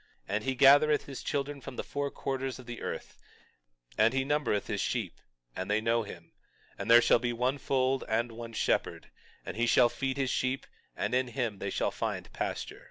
22:25 And he gathereth his children from the four quarters of the earth; and he numbereth his sheep, and they know him; and there shall be one fold and one shepherd; and he shall feed his sheep, and in him they shall find pasture.